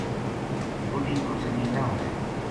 بڈھی کو سنگی نہ ہووے